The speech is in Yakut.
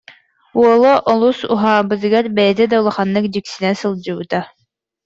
Уола олус уһаабытыгар бэйэтэ да улаханнык дьиксинэ сылдьыбыта